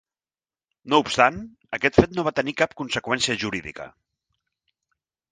No obstant, aquest fet no va tenir cap conseqüència jurídica.